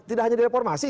tidak hanya direformasi